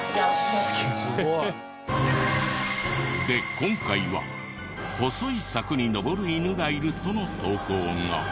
で今回は細い柵に登る犬がいるとの投稿が。